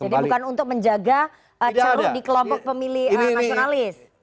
jadi bukan untuk menjaga celu di kelompok pemilih nasionalis